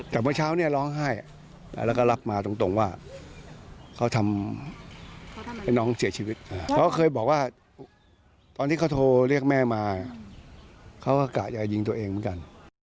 แต่เมื่อเช้าเนี่ยร้องไห้แล้วก็รับมาตรงว่าเขาทำให้น้องเสียชีวิตเขาเคยบอกว่าตอนที่เขาโทรเรียกแม่มาเขาก็กะจะยิงตัวเองเหมือนกัน